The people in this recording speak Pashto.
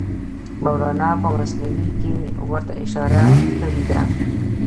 مولانا په مثنوي کې ورته اشاره کړې ده.